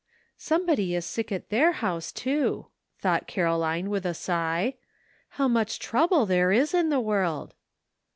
" Somebody is sick at their house, too*," thought Caroline, with a sigh. " How much trouble there is in the world."